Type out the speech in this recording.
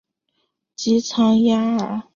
吉藏雅尔。